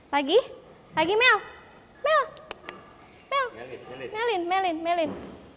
lagi lagi mel mel melin melin melin